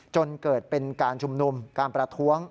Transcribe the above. จนเกิดเป็นการชุมนุมการประท้วง